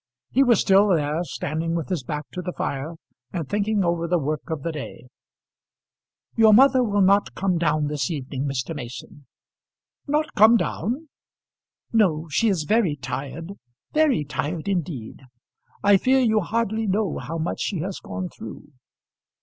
He was still there, standing with his back to the fire and thinking over the work of the day. "Your mother will not come down this evening, Mr. Mason." "Not come down?" "No; she is very tired, very tired indeed. I fear you hardly know how much she has gone through."